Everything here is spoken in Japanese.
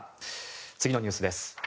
次のニュースです。